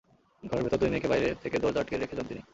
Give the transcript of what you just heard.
ঘরের ভেতর দুই মেয়েকে বাইরে থেকে দরজা আটকে রেখে যান তিনি।